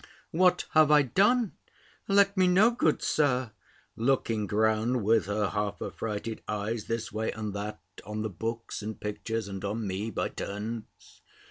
"What have I done? Let me know, good Sir!" looking round, with her half affrighted eyes, this way and that, on the books, and pictures, and on me, by turns.